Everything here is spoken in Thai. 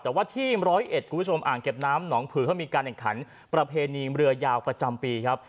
แต่ว่าที่๑๐๑อ่างเก็บน้ำหนองผืนเพื่อมีการแข่งขันประเพณีเรือยาวกระจำปีครับ